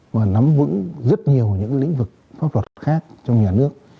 mà nắm vững rất nhiều những lĩnh vực pháp luật khác trong nhà nước